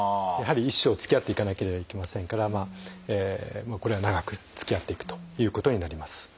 やはり一生つきあっていかなければいけませんからこれは長くつきあっていくということになります。